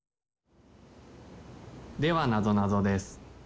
・ではなぞなぞです。